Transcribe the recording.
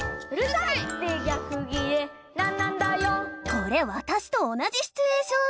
これわたしと同じシチュエーション！